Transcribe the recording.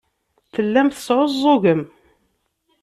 Tellam tesɛuẓẓugem.